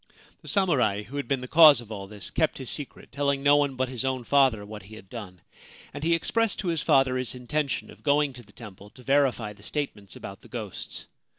The samurai who had been the cause of all this kept his secret, telling no one but his own father what he had done ; and he expressed to his father his intention of going to the temple to verify the statements about the ghosts.